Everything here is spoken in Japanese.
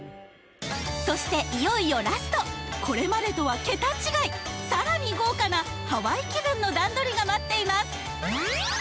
そしていよいよラストこれまでとは桁違いさらに豪華なハワイ気分の段取りが待っています